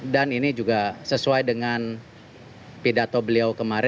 dan ini juga sesuai dengan pidato beliau kemarin